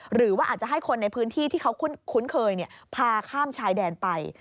หรือว่าอาจจะให้คนในพื้นที่ที่เขาคุ้นเคยพาข้ามชายแดนไป